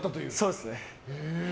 そうですね。